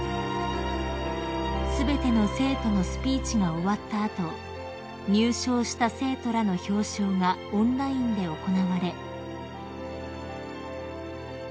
［全ての生徒のスピーチが終わった後入賞した生徒らの表彰がオンラインで行われ］